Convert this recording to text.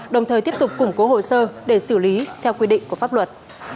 đồng thời tiếp tục củng cố hồ sơ để xử lý theo quy định của pháp luật